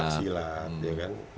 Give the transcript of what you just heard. pencaksilat ya kan